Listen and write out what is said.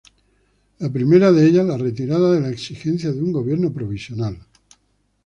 La primera de ellas la retirada de la exigencia de un Gobierno Provisional.